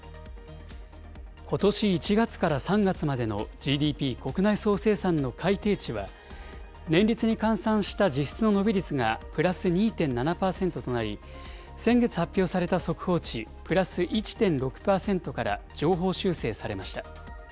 ことし１月から３月までのＧＤＰ・国内総生産の改定値は、年率に換算した実質の伸び率がプラス２．７％となり、先月発表された速報値プラス１．６％から上方修正されました。